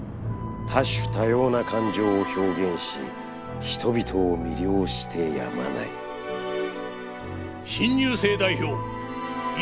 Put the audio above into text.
多種多様な感情を表現し人々を魅了してやまない「新入生代表泉花子」。